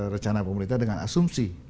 rencana pemerintah dengan asumsi